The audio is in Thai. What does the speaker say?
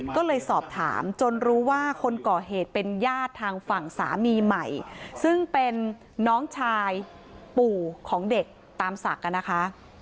ก็เลยสอบถามจนรู้ว่าคนก่อเหตุเป็นญาติทางฝั่งสามีใหม่ซึ่งเป็นน้องชายปู่ของเด็กตามศักดิ์นะคะ